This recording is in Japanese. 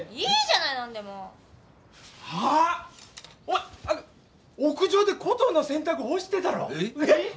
お前屋上でコトーの洗濯干してたろ？